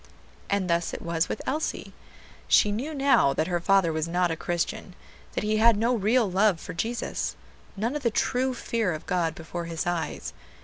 And thus it was with Elsie. She knew now that her father was not a Christian; that he had no real love for Jesus, none of the true fear of God before his eyes.